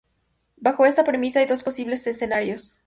Bajo esta premisa hay dos posibles escenarios.